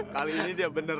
kali ini dia bener